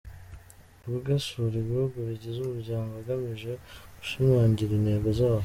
Ubwe asura ibihugu bigize umuryango agamije gushimangira intego zawo.